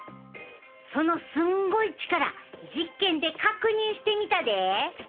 そのすんごい力実験で確認してみたで！